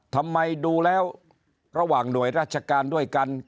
ทำไมดูแล้วระหว่างหน่วยราชการด้วยกัน